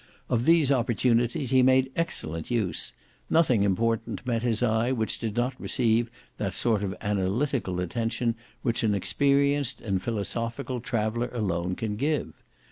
Of these opportunities he made excellent use; nothing important met his eye which did not receive that sort of analytical attention which an experienced and philosophical traveller alone can give.